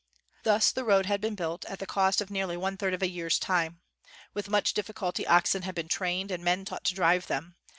Thus the road had been built at the cost of nearly one third of a year's time. With much difficulty oxen had been trained and men taught to drive them.